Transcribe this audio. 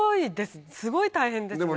すごい大変ですね。